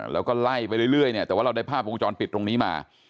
แล้วก็ไล่ไปเรื่อยเนี่ยแต่ว่าเราได้ภาพวงจรปิดตรงนี้มา